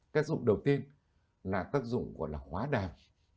tác dụng đầu tiên là tác dụng gọi là hóa đàm